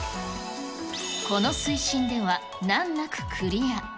この水深では、難なくクリア。